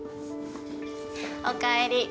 おかえり。